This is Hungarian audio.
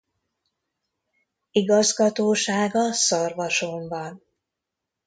Igazgatósága Szarvason van.